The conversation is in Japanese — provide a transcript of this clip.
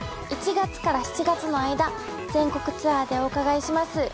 １月から７月の間全国ツアーでお伺いします